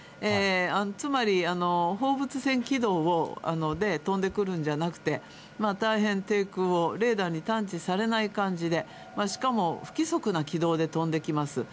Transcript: つまり、放物線軌道で飛んでくるんじゃなくて、大変低空をレーダーに探知されない感じで、しかも不規則な軌道で飛んできます。